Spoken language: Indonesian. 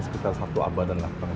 sekitar satu abad